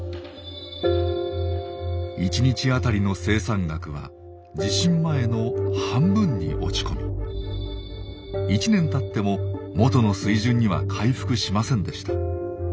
１日当たりの生産額は地震前の半分に落ち込み１年たっても元の水準には回復しませんでした。